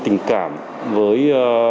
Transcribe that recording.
tình cảm với